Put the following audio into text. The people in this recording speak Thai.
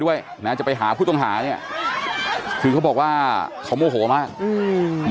ด้วยนะจะไปหาผู้ต้องหาเนี้ยคือเขาบอกว่าเขาโมโหมากอืม